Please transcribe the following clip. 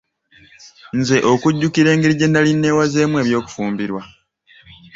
Nze ojjukira engeri gye nnali neewazeemu eby'okufumbirwa.